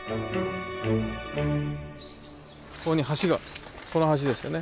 ここに橋がこの橋ですよね。